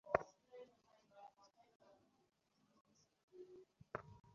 শুনুন, প্লিজ!